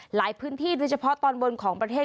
หลายพื้นที่โดยเฉพาะตอนบนของประเทศ